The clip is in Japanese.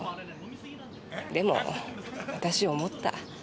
でも私思った。